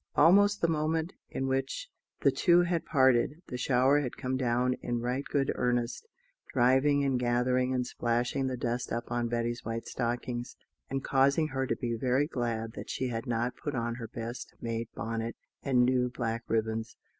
Almost the moment in which the two had parted, the shower had come down in right good earnest, driving and gathering and splashing the dust up on Betty's white stockings, and causing her to be very glad that she had not put on her best made bonnet and new black ribbons.